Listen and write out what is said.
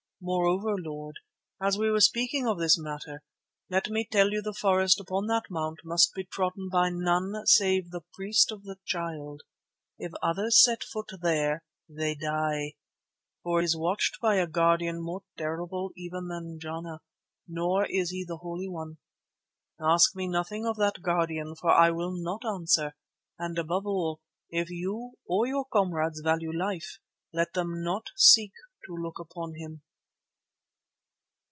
Moreover, Lord, as we are speaking of this matter, let me tell you the forest upon that Mount must be trodden by none save the priest of the Child. If others set foot there they die, for it is watched by a guardian more terrible even than Jana, nor is he the only one. Ask me nothing of that guardian, for I will not answer, and, above all, if you or your comrades value life, let them not seek to look upon him."